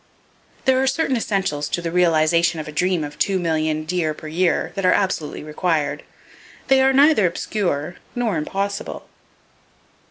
There are certain essentials to the realization of a dream of two million deer per year that are absolutely required. They are neither obscure nor impossible.